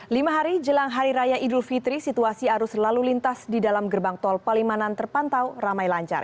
lima hari jelang hari raya idul fitri situasi arus lalu lintas di dalam gerbang tol palimanan terpantau ramai lancar